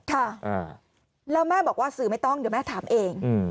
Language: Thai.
ค่ะแล้วแม่บอกว่าสื่อไม่ต้องเดี๋ยวแม่ถามเอง